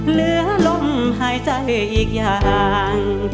เหลือลมหายใจอีกอย่าง